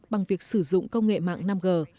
bằng việc sử dụng công nghệ mạng năm g